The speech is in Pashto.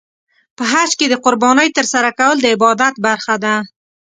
په حج کې د قربانۍ ترسره کول د عبادت برخه ده.